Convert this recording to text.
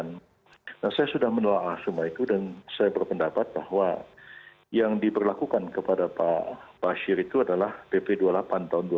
nah saya sudah menolak semua itu dan saya berpendapat bahwa yang diberlakukan kepada pak bashir itu adalah pp dua puluh delapan tahun dua ribu dua